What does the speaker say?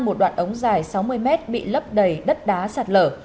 một đoạn ống dài sáu mươi mét bị lấp đầy đất đá sạt lở